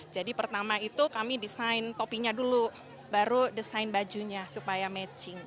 jadi pertama itu kami desain topinya dulu baru desain bajunya supaya matching